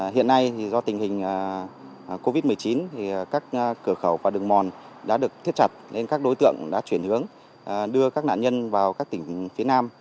hiện nay do tình hình covid một mươi chín các cửa khẩu và đường mòn đã được thiết chặt nên các đối tượng đã chuyển hướng đưa các nạn nhân vào các tỉnh phía nam